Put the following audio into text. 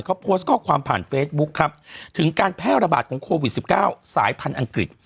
เขาโพสต์ข้อความผ่านเฟซบุ๊คครับถึงการแพร่ระบาดของโควิด๑๙สายพันธุ์อังกฤษ